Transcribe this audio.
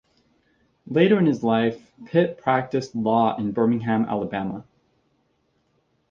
Later in his life, Pitt practiced law in Birmingham, Alabama.